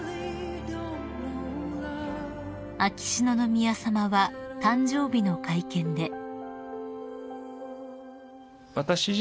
［秋篠宮さまは誕生日の会見で］